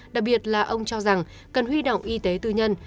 đặc biệt là ông cho rằng cần huy động y tế tư nhân